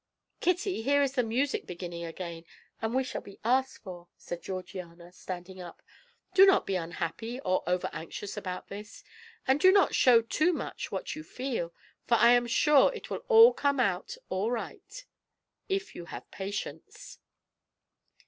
"Kitty, here is the music beginning again, and we shall be asked for," said Georgiana, standing up. "Do not be unhappy or over anxious about this, and do not show too much what you feel, for I am sure it will all come out right if you have patience."